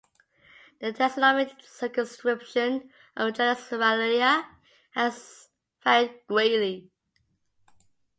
The taxonomic circumscription of the genus "Aralia" has varied greatly.